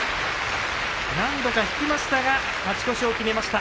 何度か引きましたが勝ち越しを決めました。